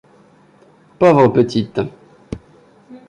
Pauvre petite !